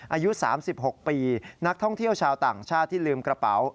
อายุ๓๖ปีนักท่องเที่ยวชาวต่างชาติที่ลืมกระเป๋า